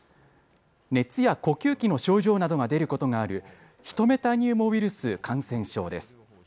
熱や呼吸器の症状などが出ることがあるヒトメタニューモウイルス感染症です。